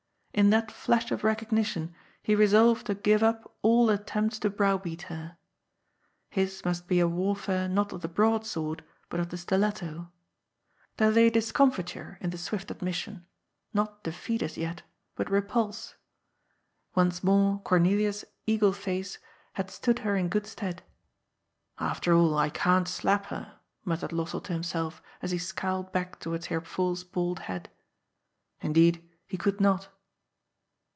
In that flash of recognition he resolved to give up all attempts to browbeat her. His must be a warfare not of the broad sword, but of the stiletto. There lay discomfiture in the MUSIC AND DISCORD. "201 swift admission, not defeat as yet, but repulse. Once more Cornelia's eagle face had stood her in good stead. ^* After all, I can't slap her," muttered Lossell to himself, as he scowled back towards Herr Pfuhl's bald head. Indeed, he could not.